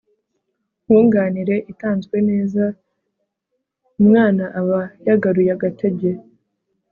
nkunganire itanzwe neza, umwana aba yagaruye agatege